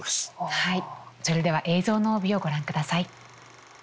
はいそれでは映像の帯をご覧ください。